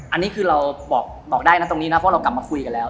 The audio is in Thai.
อันนี้คือเราบอกได้นะตรงนี้นะเพราะเรากลับมาคุยกันแล้ว